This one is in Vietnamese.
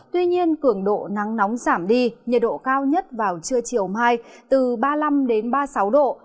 tuy nhiên cường độ nắng nóng giảm đi nhiệt độ cao nhất vào trưa chiều mai từ ba mươi năm ba mươi sáu độ